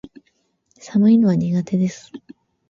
寒いのは苦手です